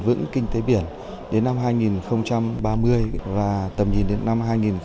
vững kinh tế biển đến năm hai nghìn ba mươi và tầm nhìn đến năm hai nghìn bốn mươi